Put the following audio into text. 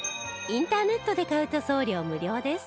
インターネットで買うと送料無料です